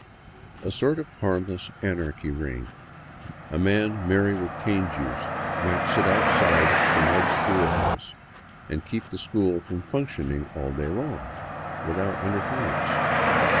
A sort of harmless anarchy reigned. A man merry with cane juice might sit outside the mud school house and keep school from " functioning " all day long, without interference.